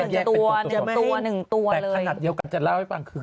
แยกเป็นตัวหนึ่งตัวหนึ่งตัวเลยแต่ถนัดเดียวกันจะเล่าให้บ้างคือ